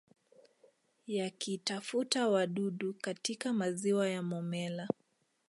Yakitafuta wadudu katika maziwa ya Momella